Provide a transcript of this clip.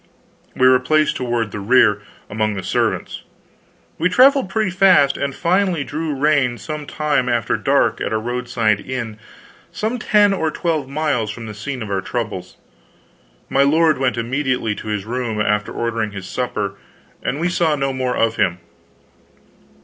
We were placed toward the rear, among the servants. We traveled pretty fast, and finally drew rein some time after dark at a roadside inn some ten or twelve miles from the scene of our troubles. My lord went immediately to his room, after ordering his supper, and we saw no more of him.